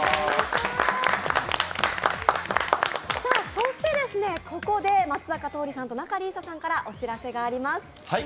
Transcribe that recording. そして、ここで松坂桃李さんと仲里依紗さんからお知らせがあります。